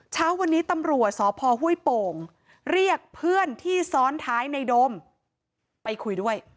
เช้าวันนี้ตำรวจสพห้วยโป่งเรียกเพื่อนที่ซ้อนท้ายในโดมไปคุยด้วย